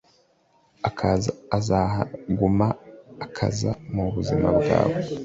akaza azahaguma akaza muzima bwawe